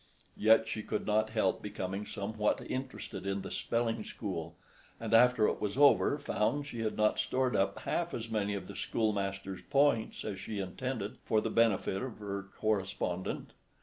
Yet she could not help becoming somewhat interested in the spelling school, and after it was over found she had not stored up half as many of the schoolmaster's points as she intended, for the benefit of her correspondent.